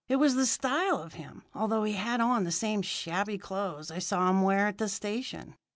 It was the style of him, although he had on the same shabby clothes I saw him wear at the station.